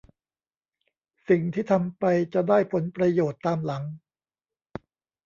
สิ่งที่ทำไปจะได้ผลประโยชน์ตามหลัง